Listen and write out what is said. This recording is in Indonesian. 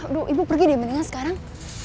aduh ibu pergi deh mendingan sekarang